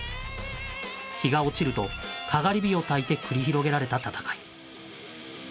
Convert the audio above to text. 日が落ちると、かがり火をたいて繰り広げられた闘い。